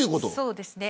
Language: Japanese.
そうですね。